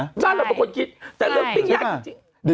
ด้านเราเป็นคนคิดแต่เรื่องปิ้งยากจริง